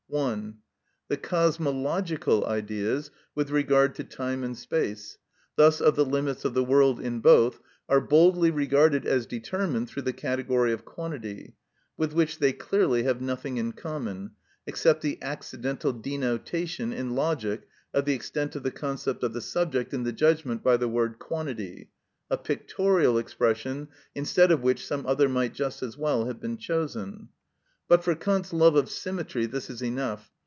(1.) The cosmological Ideas with regard to time and space, thus of the limits of the world in both, are boldly regarded as determined through the category of quantity, with which they clearly have nothing in common, except the accidental denotation in logic of the extent of the concept of the subject in the judgment by the word quantity, a pictorial expression instead of which some other might just as well have been chosen. But for Kant's love of symmetry this is enough.